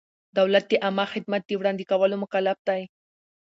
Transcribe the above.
دولت د عامه خدمت د وړاندې کولو مکلف دی.